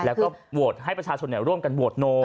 แล้วก็โหวตให้ประชาชนร่วมกันโหวตโน